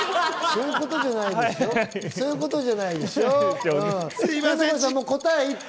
そういうことじゃないでしょ、答えを言って。